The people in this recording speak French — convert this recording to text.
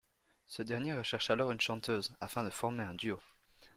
Ce dernier recherche alors une chanteuse, afin de former un duo.